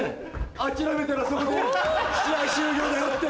「諦めたらそこで試合終了だよ」って。